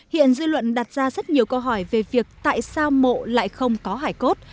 hiện dư luận đặt ra rất nhiều câu hỏi về việc tại sao mộ lại không có hải cốt